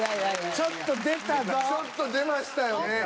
ちょっと出ましたよね。